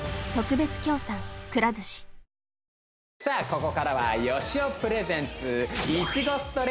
ここからはよしおプレゼンツ